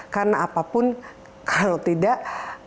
karena apapun kalau tidak